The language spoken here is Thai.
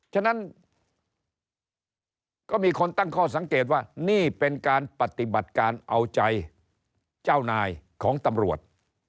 ฉะนั้นก็มีคนตั้งข้อสังเกตว่านี่เป็นการปฏิบัติการเอาใจเจ้านายของตำรวจ